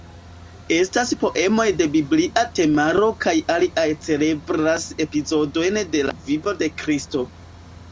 Estas poemoj de biblia temaro kaj aliaj celebras epizodojn de la vivo de Kristo.